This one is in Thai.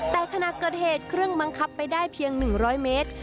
แต่ขณะเกิดเหตุเครื่องบังคับไปได้เพียง๑๐๐เมตร